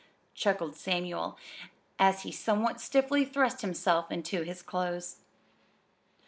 chuckled Samuel, as he somewhat stiffly thrust himself into his clothes.